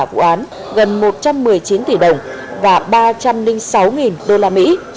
vụ án gần một trăm một mươi chín tỷ đồng và ba trăm linh sáu đô la mỹ